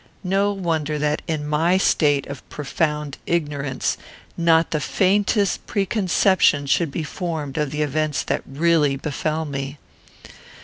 No wonder that, in my state of profound ignorance, not the faintest preconception should be formed of the events that really befell me.